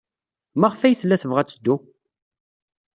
Maɣef ay tella tebɣa ad teddu?